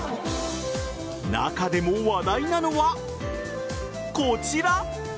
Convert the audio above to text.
中でも話題なのはこちら。